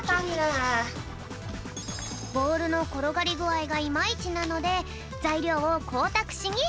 ボールのころがりぐあいがいまいちなのでざいりょうをこうたくしにへんこう。